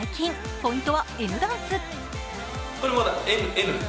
ポイントはＮダンス。